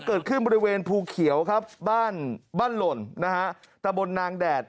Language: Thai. เกิดขึ้นบริเวณภูเขียวครับบ้านบ้านหล่นนะฮะตะบนนางแดด